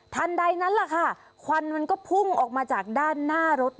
ใดนั้นแหละค่ะควันมันก็พุ่งออกมาจากด้านหน้ารถ